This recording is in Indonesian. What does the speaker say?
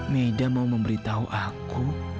meida mau memberitahu aku